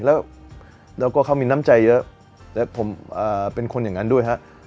แล้วก็เขามีน้ำใจเยอะและผมเป็นคนอย่างนั้นด้วยฮะ